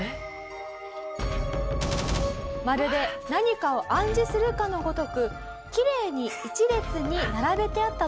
まるで何かを暗示するかのごとくきれいに一列に並べてあったというんです。